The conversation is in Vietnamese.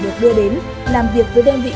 được đưa đến làm việc với đơn vị